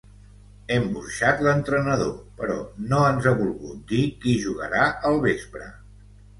Hem burxat l'entrenador però no ens ha volgut dir qui jugarà al vespre.